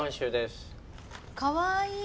かわいい！